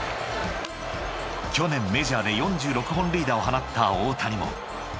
［去年メジャーで４６本塁打を放った大谷も］